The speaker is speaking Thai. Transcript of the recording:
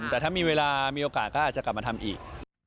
แต่ถ้ามีเวลามีโอกาสก็อาจจะกลับมาทำอีก